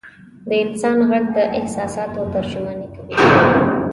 د انسان ږغ د احساساتو ترجماني کوي.